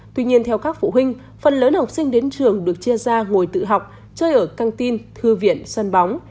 tuy nhiên theo các phụ huynh phần lớn học sinh đến trường được chia ra ngồi tự học chơi ở căng tin thư viện sân bóng